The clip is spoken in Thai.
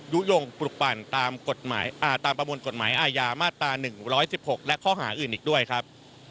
ยุโยงปลุกปั่นตามประมวลกฎหมายอาญามาตรา๑๑๖และข้อหาอื่นอีกด้วยครับ